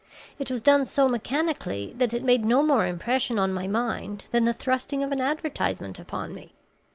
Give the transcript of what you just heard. It was done so mechanically that it made no more impression on my mind than the thrusting of an advertisement upon me.